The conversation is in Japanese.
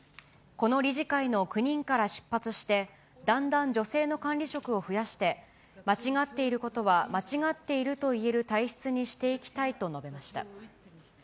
この理事会の９人から出発して、だんだん女性の管理職を増やして、間違っていることは、間違っていると言える体質にしていきたいと述べました。